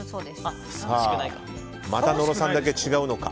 また野呂さんだけ違うのか。